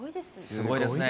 すごいですね。